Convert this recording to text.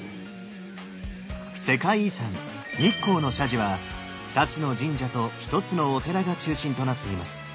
世界遺産日光の社寺は２つの神社と１つのお寺が中心となっています。